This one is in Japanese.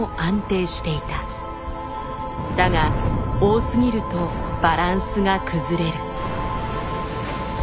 だが多すぎるとバランスが崩れる。